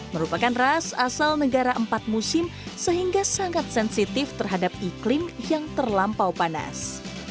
merupakan ras asal negara empat musim sehingga sangat sensitif terhadap iklim yang terlampau panas